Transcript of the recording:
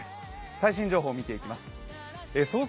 最新情報を見ていきます。